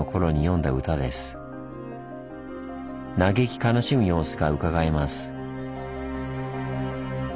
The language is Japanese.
嘆き悲しむ様子がうかがえます。